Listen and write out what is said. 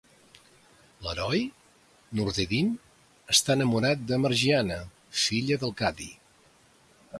L'heroi, Nureddin, està enamorat de Margiana, filla del Cadi.